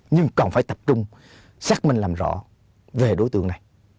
nhưng còn phải tập trung xác minh làm rõ về đối tượng này